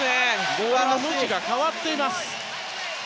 ボールの向きが変わっています。